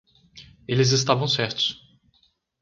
Eles estavam certos